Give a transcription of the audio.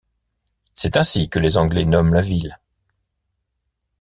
C'est ainsi que les Anglais nomment la ville.